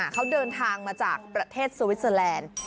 เขาเดินทางมาจากประเทศสวิสเตอร์แลนด์